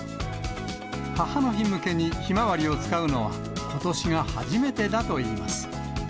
母の日向けにひまわりを使うのは、ことしが初めてだといいます。